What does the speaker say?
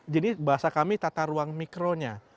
jadi bahasa kami tata ruang mikronya